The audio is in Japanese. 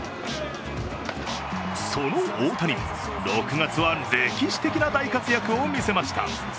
その大谷、６月は歴史的な大活躍を見せました。